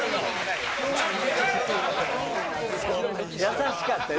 優しかったな。